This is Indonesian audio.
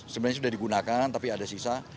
sebenarnya sudah digunakan tapi ada sisa